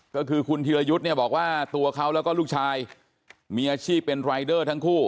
ก็คือคุณธีรยุทธ์เนี่ยบอกว่าตัวเขาแล้วก็ลูกชายมีอาชีพเป็นรายเดอร์ทั้งคู่